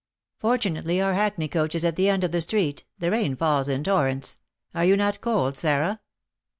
"Fortunately our hackney coach is at the end of the street; the rain falls in torrents. Are you not cold, Sarah?"